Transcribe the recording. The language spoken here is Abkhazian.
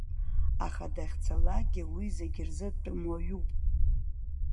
Аха дахьцалакгьы уи зегьы рзы дтәымуаҩуп.